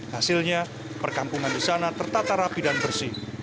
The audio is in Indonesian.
hasilnya perkampungan di sana tertata rapi dan bersih